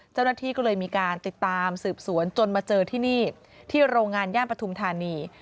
เจ้าหน้าที่ก็เลยมีการติดตามสืบสวนจนมาเจอที่นี่ที่โรงงานย่านปฐุมธานี